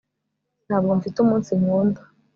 Ntabwo mfite umunsi nkunda